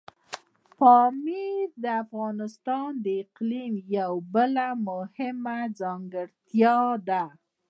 پامیر د افغانستان د اقلیم یوه بله مهمه ځانګړتیا ده.